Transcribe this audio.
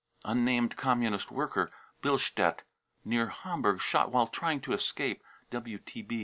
unnamed communist worker, Billstedt, near Ham burg, shot "while trying to escape."